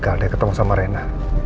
gagal deh ketemu sama rena